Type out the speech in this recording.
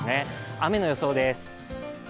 雨の予想です。